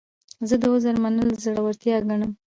زه د عذر منل زړورتیا ګڼم.